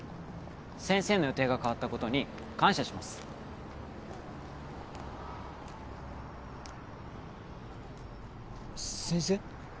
先生の予定が変わったことに感謝します先生？